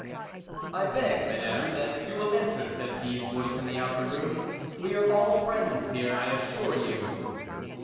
"I beg, madam, that you will enter," said D 's voice in the outer room. "We are all friends here I assure you."